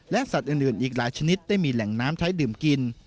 และสัตว์อื่นอีกหลายชนิดได้มีแหล่งน้ำใช้ดื่มกิน